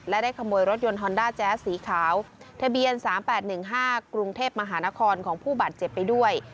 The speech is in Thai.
และได้ขโมยรถยนต์ฮอนด้าแจ๊สสีขาวทะเบียน๓๘๑๕กรุงเทพมหานครของผู้บาดเจ็บไปด้วย